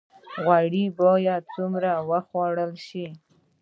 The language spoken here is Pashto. غوړي باید څومره وخوړل شي؟